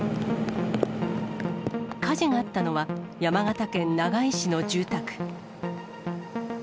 火事があったのは、山形県長井市の住宅。